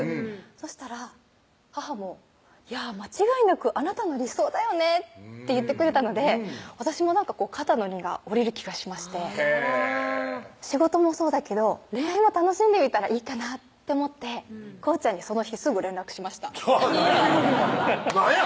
そしたら母も「間違いなくあなたの理想だよね」って言ってくれたので私も肩の荷が下りる気がしましてへぇ仕事もそうだけど恋愛も楽しんでみたらいいかなって思って航ちゃんにその日すぐ連絡しましたなんや！